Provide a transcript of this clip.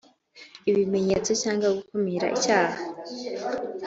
ibimenyetso cyangwa gukumira icyaha